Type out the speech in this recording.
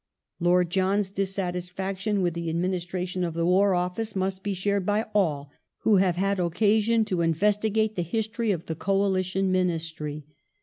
Lord John's dissatisfaction with the ad ministration of the War Office must be shared by all who have had occasion to investigate the history of the Coalition Ministry.